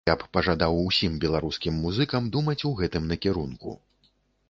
Я б пажадаў усім беларускім музыкам думаць у гэтым накірунку.